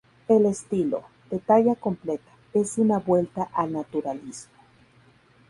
El estilo, de talla completa, es una vuelta al naturalismo.